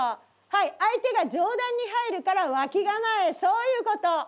はい相手が上段に入るから脇構えそういうこと。